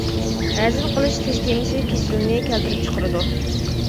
ھەزىم قىلىش سىستېمىسى كېسىلىنى كەلتۈرۈپ چىقىرىدۇ.